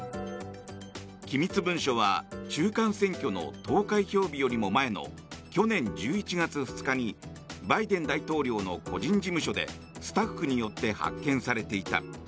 機密文書は中間選挙の投開票日よりも前の去年１１月２日にバイデン大統領の個人事務所でスタッフによって発見されていた。